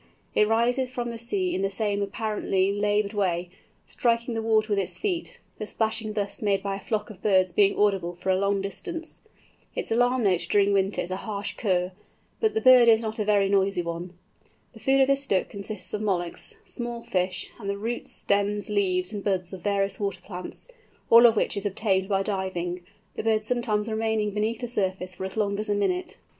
It rises from the sea in the same apparently laboured way, striking the water with its feet—the splashing thus made by a flock of birds being audible for a long distance. Its alarm note during winter is a harsh kurr, but the bird is not a very noisy one. The food of this Duck consists of molluscs, small fish, and the roots, stems, leaves, and buds of various water plants—all of which is obtained by diving, the bird sometimes remaining beneath the surface for as long as a minute.